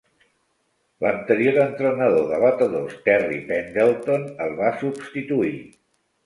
L"anterior entrenador de batedors, Terry Pendleton, el va substituir.